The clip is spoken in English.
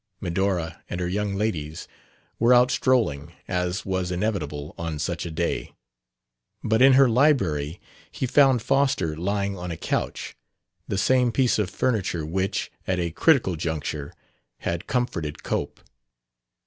Medora and her young ladies were out strolling, as was inevitable on such a day; but in her library he found Foster lying on a couch the same piece of furniture which, at a critical juncture, had comforted Cope.